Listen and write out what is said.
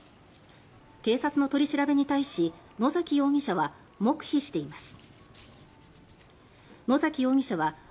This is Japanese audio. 警察の取り調べに対し野嵜容疑者は黙秘しています。